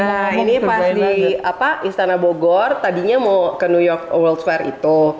nah ini pas di apa istana bogor tadinya mau ke new york world fair itu